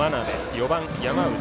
４番、山内。